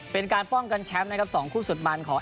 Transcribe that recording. เป็นการป้องกันแชมป์นะครับ๒คู่สุดมันของ